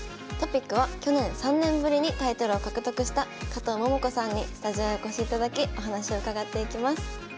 トピックは去年３年ぶりにタイトルを獲得した加藤桃子さんにスタジオへお越しいただきお話を伺っていきます。